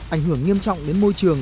ảnh hưởng nghiêm trọng đến môi trường